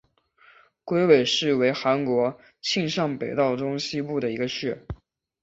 龟尾市为韩国庆尚北道中西部的一个市。